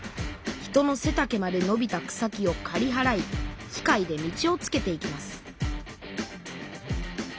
人のせたけまでのびた草木をかりはらい機械で道をつけていきます